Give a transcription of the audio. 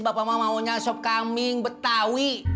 bapak mau mauannya asap kaming betawi